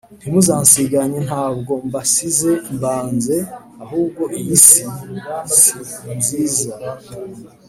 ntimuzansiganye ntabwo mbasize mbanze ahubwo iyi si si nziza